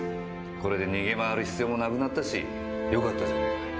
これで逃げ回る必要もなくなったし良かったじゃないか。